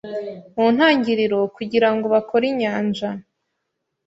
mu ntangiriro kugira ngo bakore inyanja